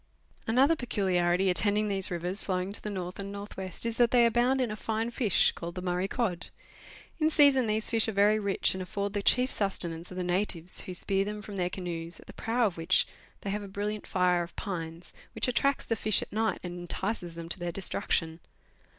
Another peculiarity attending these rivers flowing to the north and north west is that they abound in a fine fish, called the Murray cod. 1 In season, these fish are very rich, and afford the chief sustenance of the natives, who spear them from their canoes, at the prow of which they have a brilliant fire of pine, which attracts the fish at night, and entices them to their destruction.